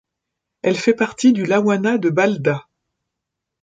Elle fait partie du lawanat de Balda.